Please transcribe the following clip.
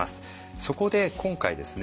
そこで今回ですね